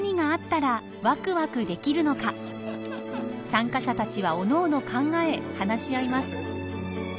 参加者たちはおのおの考え話し合います。